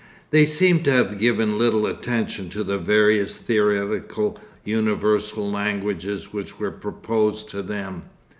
They seem to have given little attention to the various theoretical universal languages which were proposed to them.